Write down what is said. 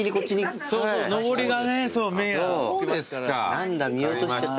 何だ見落としてた。